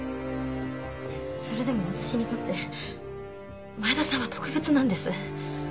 それでも私にとって前田さんは特別なんです。